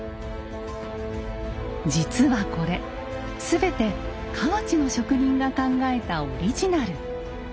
実はこれ全て河内の職人が考えたオリジナル。